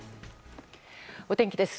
お天気です。